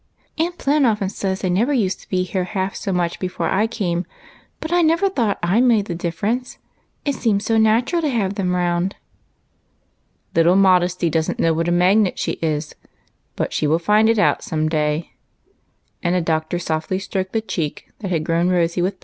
" Aunt Plen often says they never used to be here half so much before I came, but I never thought / made the difference, it seemed so natural to have them round." " Little Modesty does n't know what a magnet she is ; but she will find it out some day," and the Doctor softly stroked the cheek that had grown rosy with WHICH?